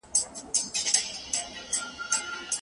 آیا عقاب تر کارغه لوړ الوت کوي؟